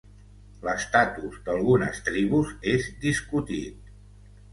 L'estatus d'algunes tribus és discutit.